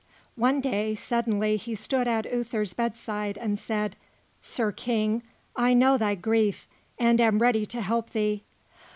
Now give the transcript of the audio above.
One day, suddenly he stood at Uther's bedside, and said: "Sir King, I know thy grief, and am ready to help thee.